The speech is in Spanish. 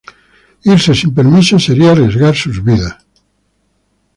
Irse sin permiso sería arriesgar sus vidas.